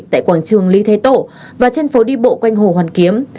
tại quảng trường lý thái tổ và trên phố đi bộ quanh hồ hoàn kiếm